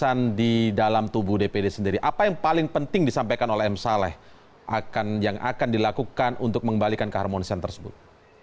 kesan di dalam tubuh dpd sendiri apa yang paling penting disampaikan oleh m saleh yang akan dilakukan untuk mengembalikan keharmonisan tersebut